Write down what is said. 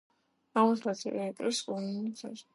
აღმოსავლეთით ეკვრის კუნლუნის მთებს.